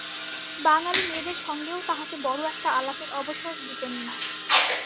বাঙালি মেয়েদের সঙ্গেও তাহাকে বড়ো-একটা আলাপের অবসব দিতেন না।